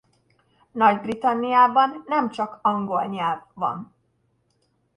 Nagy-Britanniában nem csak angol nyelv van.